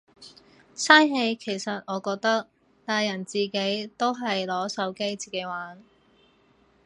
嘥氣其實我覺得，大人自己都係攞手機自己玩。